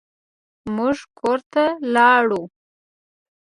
موږ کور ته لاړو.